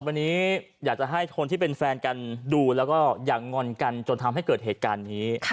วันนี้อยากจะให้คนที่เป็นแฟนกันดูแล้วก็อย่างงอนกันจนทำให้เกิดเหตุการณ์นี้